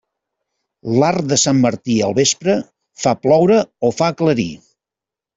L'arc de Sant Martí al vespre, fa ploure o fa aclarir.